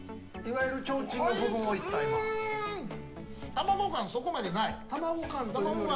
卵感、そこまでない。